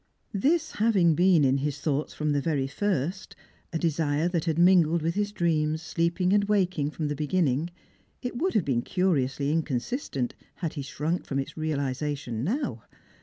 This having been in his thoughts from the very first — a desirfe that had mingled with his dreams, sleeping and waking, from the beginning— it would have been curiously inconsistent had he shrunk from its realisation now.